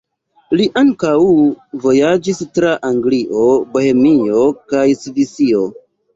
Li ankaŭ vojaĝis tra Anglio, Bohemio kaj Svisio.